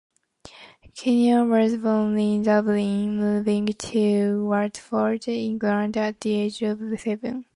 Kinnear was born in Dublin, moving to Watford, England at the age of seven.